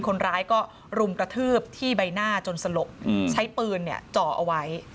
คนร้ายก็รุมกระทืบที่ใบหน้าจนสลบใช้ปืนจ่อเอาไว้